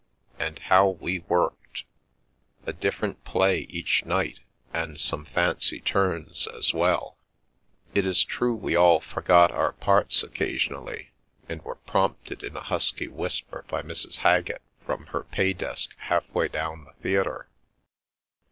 And how we worked! A dif ferent play each night and some fancy turns as well. It is true we all forgot our parts occasionally, and were prompted in a husky whisper by Mrs. Haggett from her pay desk half way down the theatre.